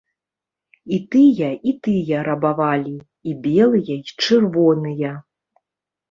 І тыя, і тыя рабавалі, і белыя, і чырвоныя.